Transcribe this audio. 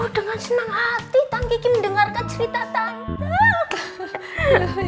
dengan senang hati tante kiki mendengarkan cerita tante